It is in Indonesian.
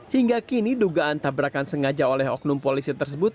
hingga kini dugaan tabrakan sengaja oleh oknum polisi tersebut